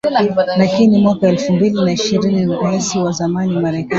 Lakini mwaka elfu mbili na ishirini Raisi wa zamani Marekani